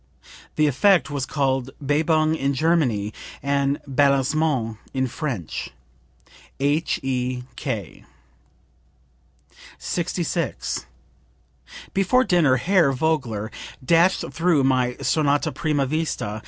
The effect was called Bebung in German, and Balancement in French. H.E.K.]) 66. "Before dinner Herr Vogler dashed through my sonata prima vista.